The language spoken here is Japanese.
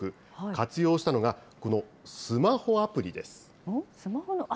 活用したのがこのスマホアプリです。